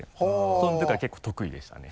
その時から結構得意でしたね。